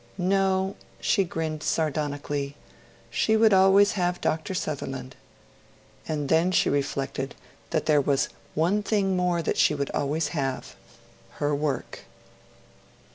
No! she grinned sardonically; she would always have Dr. Sutherland. And then she reflected that there was one thing more that she would always have her work.